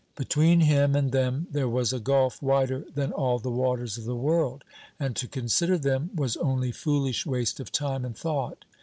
Between him and them there was a gulf wider than all the waters of the world, and to consider them was only foolish waste of time and thought.